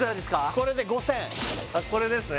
これで５０００これですね？